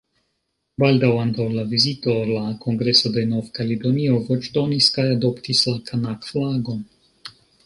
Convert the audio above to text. Baldaŭ antaŭ la vizito, la Kongreso de Nov-Kaledonio voĉdonis kaj adoptis la Kanak-flagon.